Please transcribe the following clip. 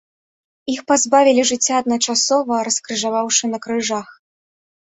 Іх пазбавілі жыцця адначасова, раскрыжаваўшы на крыжах.